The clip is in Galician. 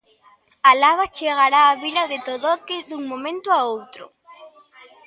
A lava chegará á vila de Todoque dun momento a outro.